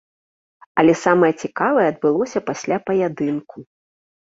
Але самае цікавае адбылося пасля паядынку.